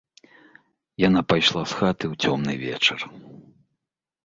Яна пайшла з хаты ў цёмны вечар.